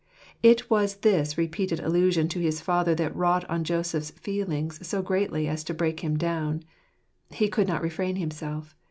It was this repeated allusion to his father that wrought on Joseph's feelings so greatly as to break him down. " He could not refrain himself."